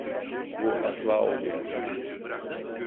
Bu asla olmayacak.